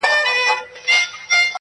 ډلي وینم د مرغیو پورته کیږي!!